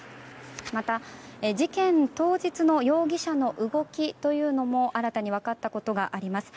また、事件当日の容疑者の動きというのも新たに分かったことがあります。